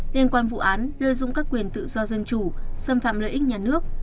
liên quan vụ án lợi dụng các quyền tự do dân chủ xâm phạm lợi ích nhà nước